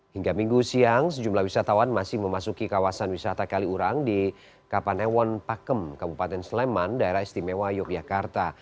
hingga minggu siang sejumlah wisatawan masih memasuki kawasan wisata kaliurang di kapanewon pakem kabupaten sleman daerah istimewa yogyakarta